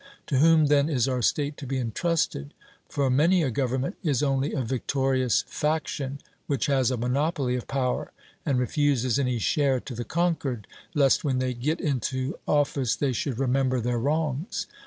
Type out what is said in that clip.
To whom then is our state to be entrusted? For many a government is only a victorious faction which has a monopoly of power, and refuses any share to the conquered, lest when they get into office they should remember their wrongs.